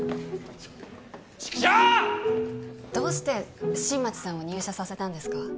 チクショーどうして新町さんを入社させたんですか？